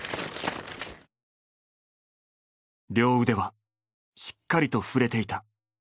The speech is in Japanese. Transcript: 両腕はしっかりと振れていた。